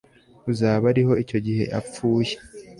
uzaba ariho icyo gihe apfuye